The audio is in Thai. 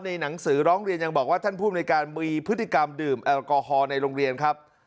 หนังสือร้องเรียนยังบอกว่าท่านภูมิในการมีพฤติกรรมดื่มแอลกอฮอล์ในโรงเรียนครับ